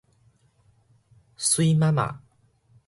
媠媽媽